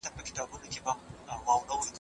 و محلي فنون ته د علمي نښو ورکول.